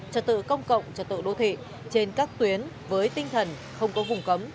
trật tự công cộng trật tự đô thị trên các tuyến với tinh thần không có vùng cấm